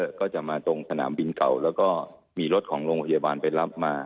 แล้วก็จะมาตรงสนามบินเก่าแล้วก็มีรถของโรงพยาบาลไปรับมา